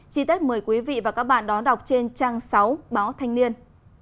chí tết mời quý vị và các bạn đón đọc trên trang sáu báo thanh niên